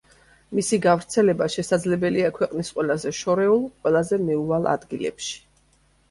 მისი გავრცელება შესაძლებელია ქვეყნის ყველაზე შორეულ, ყველაზე მიუვალ ადგილებში.